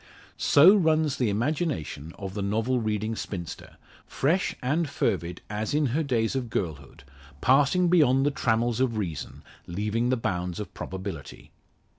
So runs the imagination of the novel reading spinster, fresh and fervid as in her days of girlhood passing beyond the trammels of reason leaving the bounds of probability.